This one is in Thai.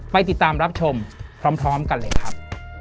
ไปติดตามรับชมพร้อมกันเลยครับ